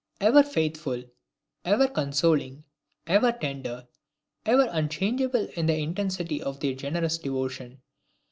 Ever faithful, ever consoling, ever tender, ever unchangeable in the intensity of their generous devotion!